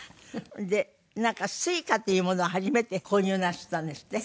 でなんかＳｕｉｃａっていうものを初めて購入なすったんですって？